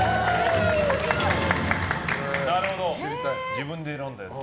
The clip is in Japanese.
自分で選んだやつ。